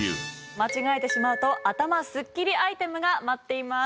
間違えてしまうと頭スッキリアイテムが待っています。